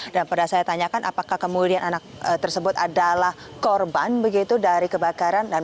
dan pada saya tanyakan apakah kemuliaan anak tersebut adalah korban begitu dari kebakaran